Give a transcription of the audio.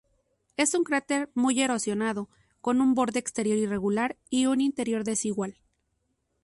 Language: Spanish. Es un cráter muy erosionado, con un borde exterior irregular y un interior desigual.